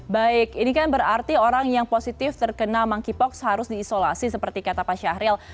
baik ini kan berarti orang yang positif terkena monkeypox harus diisolasi seperti kata pak syahril